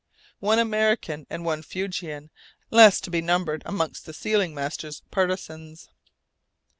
One American and one Fuegian less to be numbered amongst the sealing master's partisans!